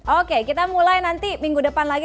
oke kita mulai nanti minggu depan lagi